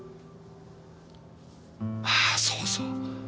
ああそうそう。